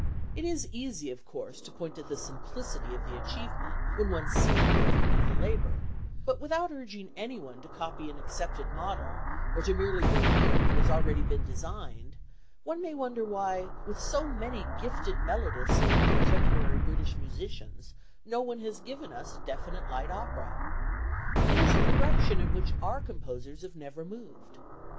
It is easy, of course, to point to the simplicity of the achievement when one sees the fruit of the labour: but without urging any one to copy an accepted model, or to merely repeat what has been already designed, one may wonder why, with so many gifted melodists among contemporary British musicians, no one has given us definite light opera. It is a direction in which our composers have never moved.